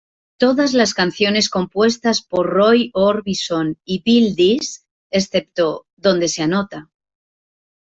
Todas las canciones compuestas por Roy Orbison y Bill Dees excepto donde se anota.